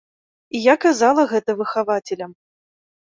І я казала гэта выхавацелям.